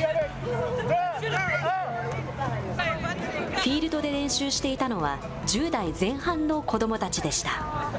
フィールドで練習していたのは１０代前半の子どもたちでした。